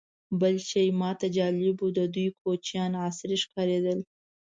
بل شی چې ماته جالبه و، د دوی کوچیان عصري ښکارېدل.